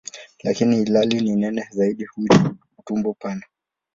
Lakini ilhali ni nene zaidi huitwa "utumbo mpana".